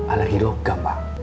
alergi logam pak